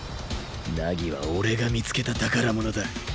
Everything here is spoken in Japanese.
凪は俺が見つけた宝物だ。